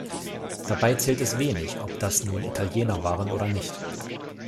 Dabei zählt es wenig, ob das nun Italiener waren oder nicht.